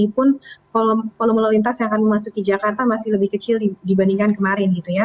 walaupun polomula lintas yang akan memasuki jakarta masih lebih kecil dibandingkan kemarin